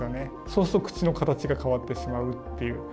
そうすると口の形が変わってしまうっていう。